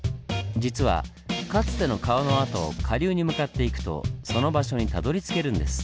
実はかつての川の跡を下流に向かっていくとその場所にたどりつけるんです。